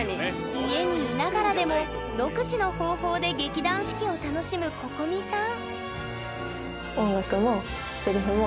家にいながらでも独自の方法で劇団四季を楽しむここみさん